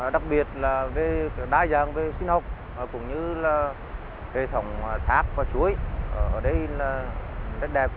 đặc biệt là về đa dạng về sinh học cũng như là hệ thống tháp và chuối ở đây là rất đẹp